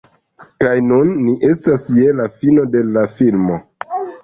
Kaj nun ni estas je la fino de la filmo